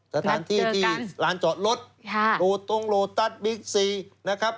สถานที่ที่ลานจอดรถโลตรงโลตัสบิ๊กซีนะครับ